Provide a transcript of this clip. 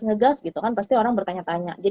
ngegas gitu kan pasti orang bertanya tanya